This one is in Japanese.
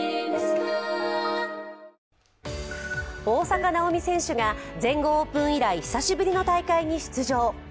大坂なおみ選手が全豪オープン以来、久しぶりの大会に出場。